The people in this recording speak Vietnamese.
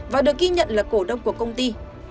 và được ghi nhận là cổ đông của công ty